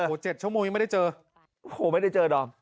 โอ้โห๗ชั่วโมงยังไม่ได้เจอโอ้โหไม่ได้เจอดอม